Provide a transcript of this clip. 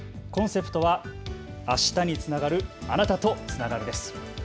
コンセプトはあしたにつながる、あなたとつながるです。